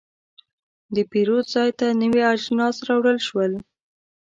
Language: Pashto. د پیرود ځای ته نوي اجناس راوړل شول.